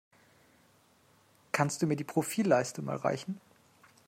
Kannst du mir die Profilleiste mal reichen?